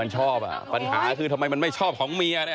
มันชอบอ่ะปัญหาคือทำไมมันไม่ชอบของเมียเนี่ย